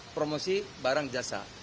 promosi barang jasa